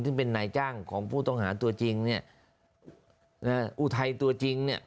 ซึ่งเป็นนายจ้างของผู้ต้องหาตัวจริงเนี่ยนะฮะอุทัยตัวจริงเนี่ย